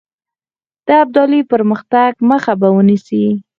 د ابدالي د پرمختګ مخه به ونیسي.